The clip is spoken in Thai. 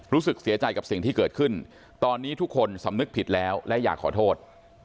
รู้สึกเสียใจกับสิ่งที่เกิดขึ้นตอนนี้ทุกคนสำนึกผิดแล้วและอยากขอโทษ